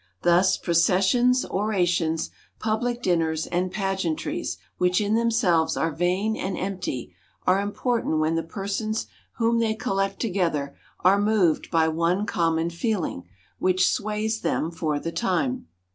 Thus processions, orations, public dinners, and pageantries, which in themselves are vain and empty, are important when the persons whom they collect together are moved by one common feeling, which sways them for the time.